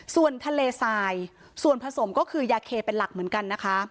ส่วนทะเลทรายส่วนผสมก็คือยาเคเป็นหลักเหมือนกันนะคะ